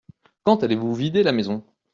Quand allez-vous vider la maison ?